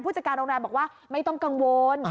จัดการโรงแรมบอกว่าไม่ต้องกังวล